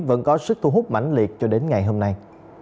vẫn có sức thu hút mạnh liệt cho đến ngày hôm nay